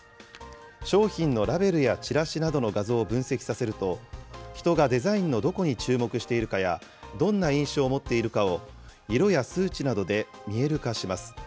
商品のラベルやチラシなどの画像を分析させると、人がデザインのどこに注目しているかや、どんな印象を持っているかを、色や数値などで見える化します。